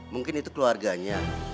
mungkin itu keluarganya